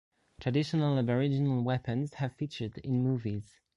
Traditional Aboriginal weapons have featured in movies.